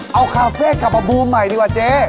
เอาคาเฟ่กลับมาบูมใหม่ดีกว่าเจ๊